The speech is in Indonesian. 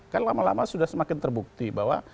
kan lama lama sudah semakin terbukti bahwa